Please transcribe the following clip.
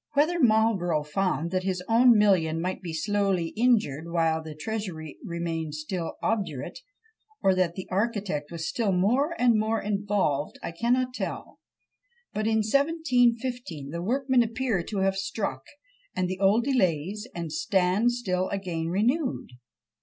Whether Marlborough found that his own million might be slowly injured while the Treasury remained still obdurate, or that the architect was still more and more involved, I cannot tell; but in 1715, the workmen appear to have struck, and the old delays and stand still again renewed.